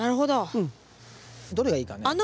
どれがいいかね？